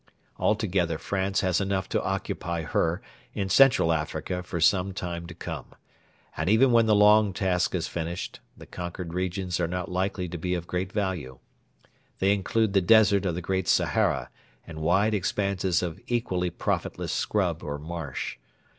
Altogether France has enough to occupy her in Central Africa for some time to come: and even when the long task is finished, the conquered regions are not likely to be of great value. They include the desert of the Great Sahara and wide expanses of equally profitless scrub or marsh.